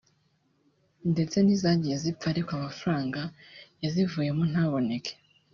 ndetse n’izagiye zipfa ariko amafaranga yazivuyemo ntaboneke